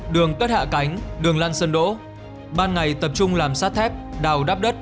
đường cất hạ cánh đường lăn sân đỗ